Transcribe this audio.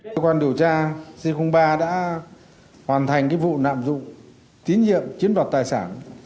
cơ quan điều tra c ba đã hoàn thành vụ nạm dụng tín nhiệm chiến vật tài sản